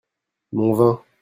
mon vin.